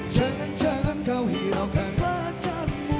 jangan jangan kau hilangkan pacarmu